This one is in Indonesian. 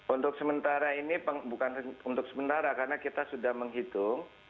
untuk sementara ini bukan untuk sementara karena kita sudah menghitung